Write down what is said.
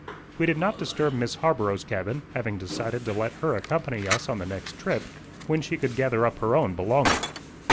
We did not disturb Miss Harborough's cabin, having decided to let her accompany us on the next trip, when she could gather up her own belongings.